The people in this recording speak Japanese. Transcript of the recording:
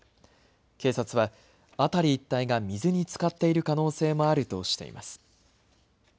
警察は辺り一帯が水につかっている可能性もあるとしています。